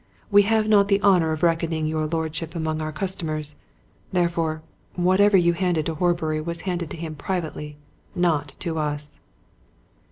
We have not the honour of reckoning your lordship among our customers. Therefore, whatever you handed to Horbury was handed to him privately not to us."